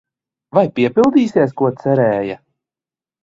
Vai piepildīsies, ko cerēja?